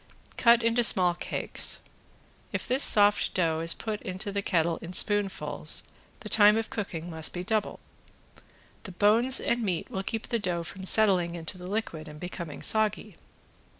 Cut into small cakes. If this soft dough is put into the kettle in spoonfuls the time of cooking must be doubled. The bones and meat will keep the dough from settling into the liquid and becoming soggy.